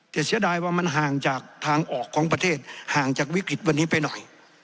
แต่เสียดายว่ามันห่างจากทางออกของประเทศห่างจากวิกฤตวันนี้ไปหน่อย